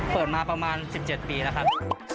เปิดมาประมาณ๑๗ปีแล้วครับ